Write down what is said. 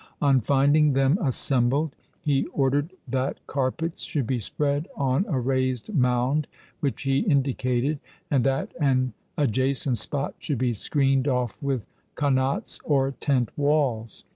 On finding them assembled, he ordered that carpets should be spread on a raised mound which he indicated, and that an adjacent spot should be screened off with qanats or tent walls.